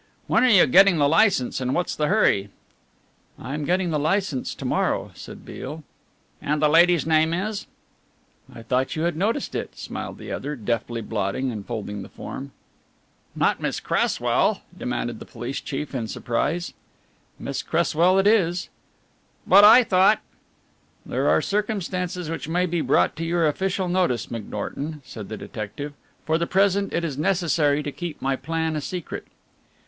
"When are you getting the licence and what's the hurry?" "I am getting the licence to morrow," said Beale. "And the lady's name is ?" "I thought you had noticed it," smiled the other, deftly blotting and folding the form. "Not Miss Cresswell?" demanded the police chief in surprise. "Miss Cresswell it is." "But I thought " "There are circumstances which may be brought to your official notice, McNorton," said the detective, "for the present it is necessary to keep my plan a secret."